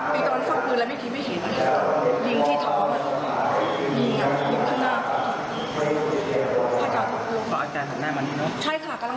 แต่ไม่มีใครโดนตัวนะ